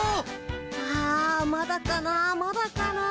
あまだかなまだかな。